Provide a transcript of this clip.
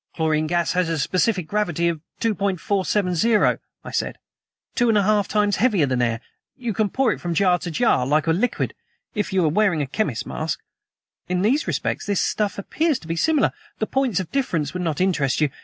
"Chlorine gas has a specific gravity of 2.470," I said; "two and a half times heavier than air. You can pour it from jar to jar like a liquid if you are wearing a chemist's mask. In these respects this stuff appears to be similar; the points of difference would not interest you.